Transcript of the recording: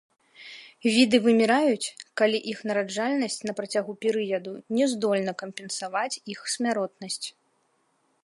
Віды выміраюць, калі іх нараджальнасць на працягу перыяду не здольна кампенсаваць іх смяротнасць.